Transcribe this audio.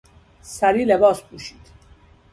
سریع لباش پوشید.